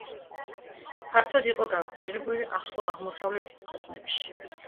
ფართოდ იყო გავრცელებული ახლო აღმოსავლეთის ქვეყნებში.